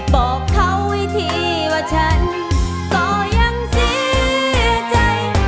บอกเขาไว้ทีว่าฉันก็ยังเสียใจ